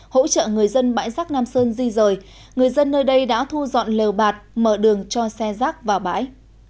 hỗ trợ người dân bãi rác nam sơn di rời người dân nơi đây đã thu dọn lều bạt mở đường cho xe rác vào bãi